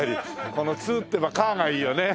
このツーって言えばカーがいいよね。